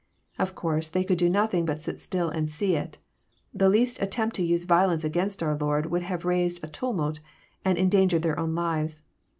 Of course they could do nothing but sit still and see it. The least attempt to use violence against our Lord would have raised a tumult, and endangered their own lives.